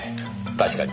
確かに。